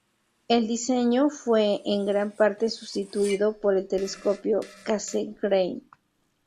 El diseño fue en gran parte sustituido por el telescopio Cassegrain.